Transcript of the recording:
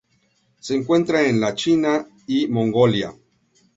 Se encuentra en la China y Mongolia.